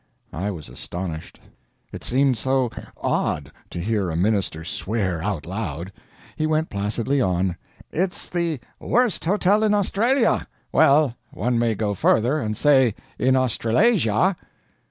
I was astonished. It seemed so odd to hear a minister swear out loud. He went placidly on: "It's the worst hotel in Australia. Well, one may go further, and say in Australasia."